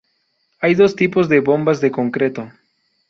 Hay dos tipos de bombas de concreto.